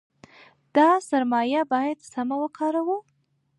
دا سرمایه باید سمه وکاروو.